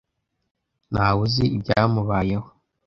Ntawe uzi ibyamubayeho.